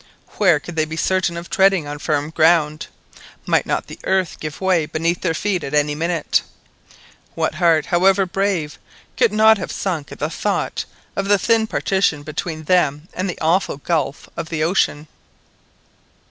Where could they be certain of treading on firm ground? Might not the earth give way beneath their feet at any minute? What heart, however brave, would not have sunk at the thought of the thin partition between them and the awful gulf of the ocean?